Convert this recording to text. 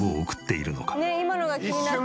今のが気になった。